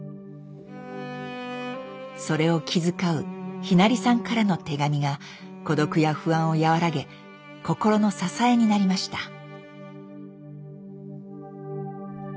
それを気遣うひなりさんからの手紙が孤独や不安を和らげ心の支えになりました。